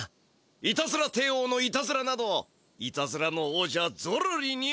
いたずら帝王のいたずらなどいたずらの王者ゾロリには。